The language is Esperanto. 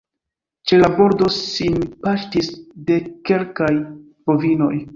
Ĉe la bordo sin paŝtis dekkelkaj bovinoj.